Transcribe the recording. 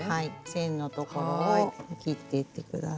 線のところを切っていって下さい。